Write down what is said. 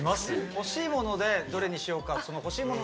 欲しいものでどれにしようか。